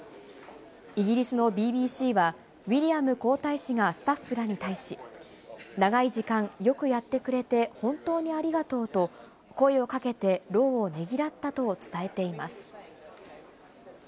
イギリスのＢＢＣは、ウィリアム皇太子がスタッフらに対し、長い時間よくやってくれて、本当にありがとうと、声をかけて労をねぎらったと伝えています。